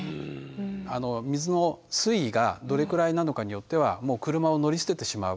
水の水位がどれくらいなのかによってはもう車を乗り捨ててしまう。